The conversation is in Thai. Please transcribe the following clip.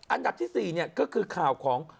อันดับที่๔ก็คือข่าวของ